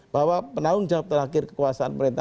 bahwa penanggung jawab terakhir kekuasaan pemerintah